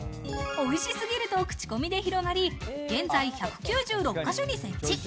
美味しすぎると口コミで広がり、現在１９６ヶ所に設置。